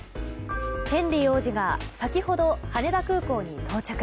ヘンリー王子が先ほど、羽田空港に到着。